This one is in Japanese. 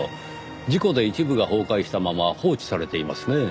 事故で一部が崩壊したまま放置されていますねぇ。